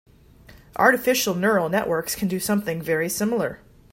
Artificial neural networks can do something very similar.